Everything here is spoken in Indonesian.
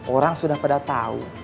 orang sudah pada tahu